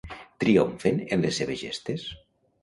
Triomfen en les seves gestes?